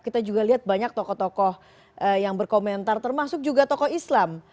kita juga lihat banyak tokoh tokoh yang berkomentar termasuk juga tokoh islam